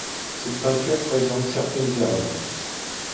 Cette peinture présente certaines erreurs.